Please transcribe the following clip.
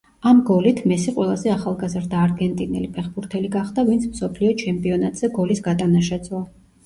ამ გოლით მესი ყველაზე ახალგაზრდა არგენტინელი ფეხბურთელი გახდა, ვინც მსოფლიო ჩემპიონატზე გოლის გატანა შეძლო.